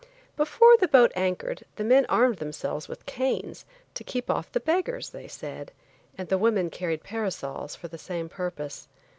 Before the boat anchored the men armed themselves with canes, to keep off the beggars they said; and the women carried parasols for the same purpose.